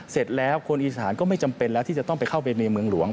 เสร็จแล้วคนอีสานก็ไม่จำเป็นแล้วที่จะต้องไปเข้าไปในเมืองหลวง